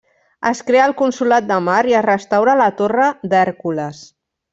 Es crea el Consolat del Mar i es restaura la Torre d'Hèrcules.